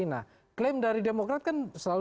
nah klaim dari demokrat kan selalu